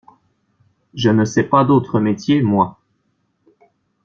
Je ne sais pas d'autre métier, moi!